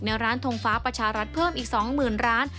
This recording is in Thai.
ร้านทงฟ้าประชารัฐเพิ่มอีก๒๐๐๐ร้าน